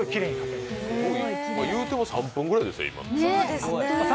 言うても３分くらいですよ、今の。